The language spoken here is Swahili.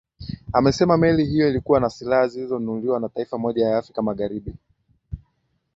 amesema meli hiyo ilikuwa na silaha zilizonunuliwa na taifa moja ya afrika magharibi